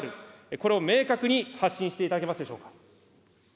これを明確に発信していただけますでしょうか。